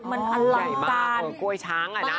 มันอร่างการ